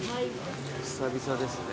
久々ですね。